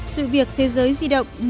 sự việc thế giới di động